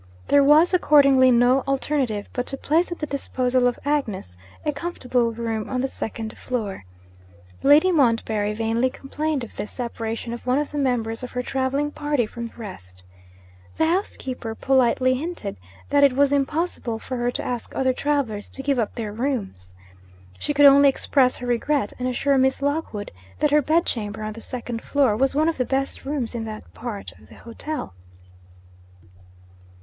There was accordingly no alternative but to place at the disposal of Agnes a comfortable room on the second floor. Lady Montbarry vainly complained of this separation of one of the members of her travelling party from the rest. The housekeeper politely hinted that it was impossible for her to ask other travellers to give up their rooms. She could only express her regret, and assure Miss Lockwood that her bed chamber on the second floor was one of the best rooms in that part of the hotel.